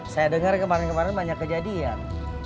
saya dengar kemarin kemarin banyak kejadian